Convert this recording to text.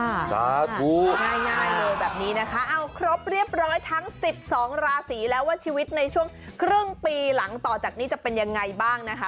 สาธุง่ายเลยแบบนี้นะคะเอาครบเรียบร้อยทั้ง๑๒ราศีแล้วว่าชีวิตในช่วงครึ่งปีหลังต่อจากนี้จะเป็นยังไงบ้างนะคะ